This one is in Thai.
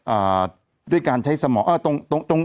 เอ่อโดยการใช้สมอง